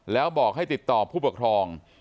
แล้วบอกให้ติดต่อผู้ปกครอง